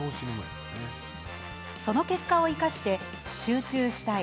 その結果を生かして集中したい